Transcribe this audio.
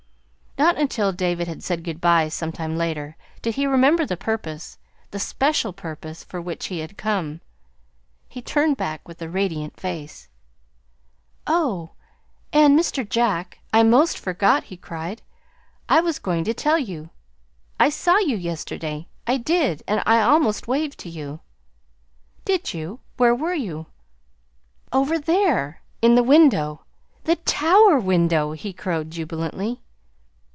Not until David had said good bye some time later, did he remember the purpose the special purpose for which he had come. He turned back with a radiant face. "Oh, and Mr. Jack, I 'most forgot," he cried. "I was going to tell you. I saw you yesterday I did, and I almost waved to you." "Did you? Where were you?" "Over there in the window the tower window" he crowed jubilantly.